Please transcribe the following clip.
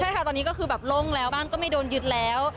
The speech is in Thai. ใช่ค่ะตอนนี้ก็คือแบบโล่งแล้วบ้านก็ไม่โดนยึดแล้ว